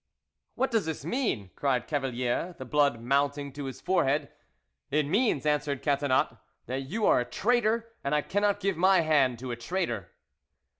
"What does this mean?" cried Cavalier, the blood mounting to his forehead. "It means," answered Catinat, "that you are a traitor, and I cannot give my hand to a traitor."